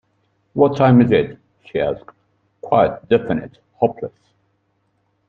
“What time is it?” she asked, quiet, definite, hopeless.